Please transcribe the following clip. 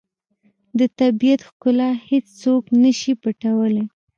د طبیعت ښکلا هیڅوک نه شي پټولی.